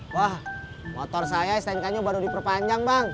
wah motor saya stnk nya baru diperpanjang bang